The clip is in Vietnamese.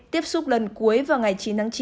tiếp xúc lần cuối vào ngày chín tháng chín